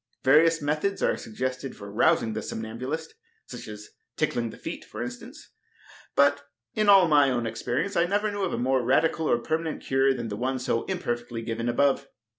Various methods are suggested for rousing the somnambulist, such as tickling the feet, for instance; but in all my own experience, I never knew of a more radical or permanent cure than the one so imperfectly given above.